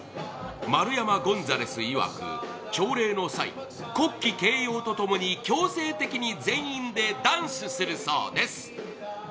丸山ゴンザレス、朝礼の際、国旗掲揚とともに強制的に全員でダンスするそうです。